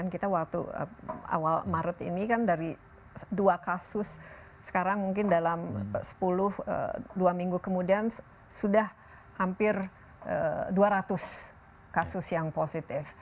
kita waktu awal maret ini kan dari dua kasus sekarang mungkin dalam sepuluh dua minggu kemudian sudah hampir dua ratus kasus yang positif